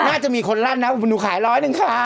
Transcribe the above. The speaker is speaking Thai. น่าจะมีคนลั่นนะหนูขายร้อยหนึ่งค่ะ